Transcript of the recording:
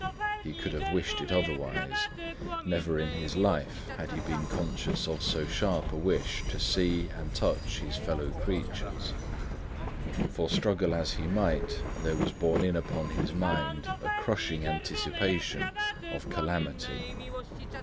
He could have wished it otherwise; never in his life had he been conscious of so sharp a wish to see and touch his fellow creatures; for struggle as he might, there was borne in upon his mind a crushing anticipation of calamity.